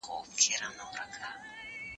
زه هره ورځ د سبا لپاره د هنرونو تمرين کوم!!